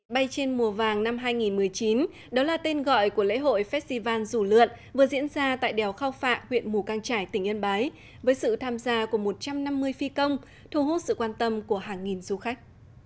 bay trên mùa vàng năm hai nghìn một mươi chín đó là tên gọi của lễ hội festival rủ lượn vừa diễn ra tại đèo khao phạ huyện mù căng trải tỉnh yên bái với sự tham gia của một trăm năm mươi phi công thu hút sự quan tâm của hàng nghìn du khách